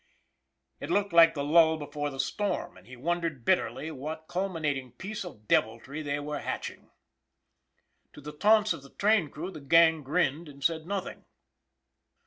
It looked like the lull be fore the storm; and he wondered bitterly what cul minating piece of deviltry they were hatching. To the taunts of the train crews the gang grinned and said nothing.